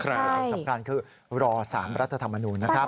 สำคัญคือรอสามรัฐธรรมนุนนะครับ